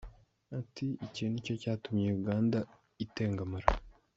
Ati icyo nicyo cyatumye Uganda itengamara.